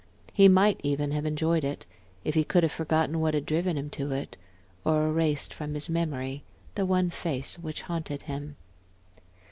He might even have enjoyed it, if he could have forgotten what had driven him to it, or erased from his memory the one face which haunted him.